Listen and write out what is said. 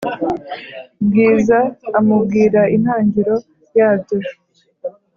bwiza amubwira intangiro yabyo